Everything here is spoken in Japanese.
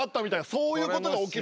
そういうことが起きる。